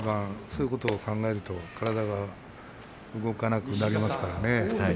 そういうことを考えると体が動かなくなりますからね。